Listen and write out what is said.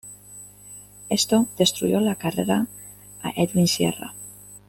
Esto, destruyó la carrera a Edwin Sierra.